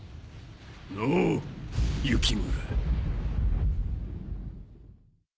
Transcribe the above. のう幸村。